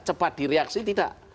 cepat direaksi tidak